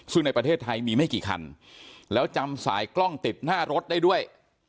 ซึ่งในประเทศไทยมีไม่กี่คันแล้วจำสายกล้องติดหน้ารถได้ด้วย